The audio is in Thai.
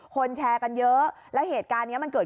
คนแชร์กันเยอะแล้วเหตุการณ์เนี่ย